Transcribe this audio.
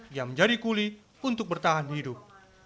dia menjadi kuli untuk bertahan hidup